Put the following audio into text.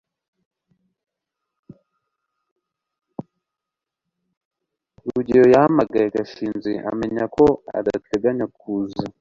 rugeyo yahamagaye gashinzi amenya ko adateganya kuza